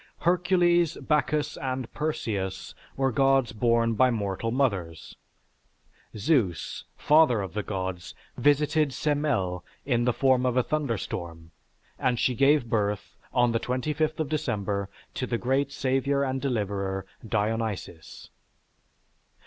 Hercules, Bacchus, and Perseus were gods born by mortal mothers. Zeus, father of the gods, visited Semele in the form of a thunderstorm and she gave birth, on the 25th of December, to the great savior and deliverer, Dionysis.